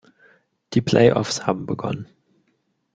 Die Play-Offs haben begonnen.